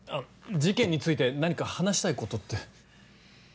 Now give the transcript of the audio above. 事件について何か話したいことって？